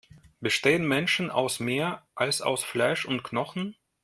Bestehen Menschen aus mehr, als aus Fleisch und Knochen?